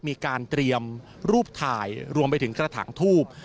มีการเตรียมรูปถ่ายรวมไปถึงกระถางทูบ